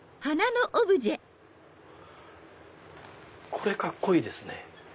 これカッコいいですね。